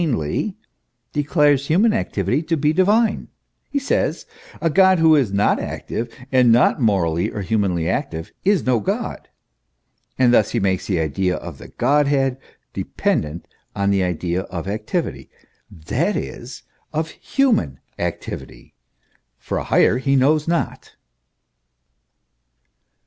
He who makes God act humanly, declares human activity to be divine; he says: a god who is not active, and not morally or humanly active, is no god; and thus he makes the idea of the Godhead dependent on the idea of activity, that is, of human activity, for a higher he knows not.